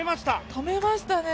止めましたね。